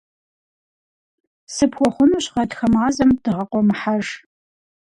Сыпхуэхъунущ гъатхэ мазэм дыгъэ къуэмыхьэж.